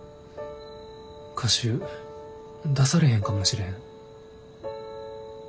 歌集出されへんかもしれん。